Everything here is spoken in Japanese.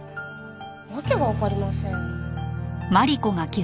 訳がわかりません。